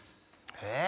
えっ！？